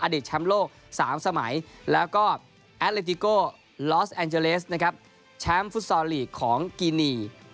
อดิษฐ์แชมป์โลกสามสมัยแล้วก็แอตเลทิโกลอสแอนเจเลสแชมป์ฟุตซอลลีกของกีนี